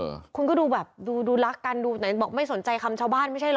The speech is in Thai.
เออคุณก็ดูแบบดูดูลักกันดูหน่อยบอกไม่สนใจคำชาวบ้าน